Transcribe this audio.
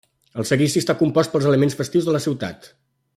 El Seguici està compost pels elements festius de la ciutat.